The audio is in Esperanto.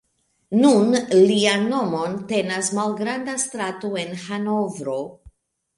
Nun lian nomon tenas malgranda strato en Hanovro.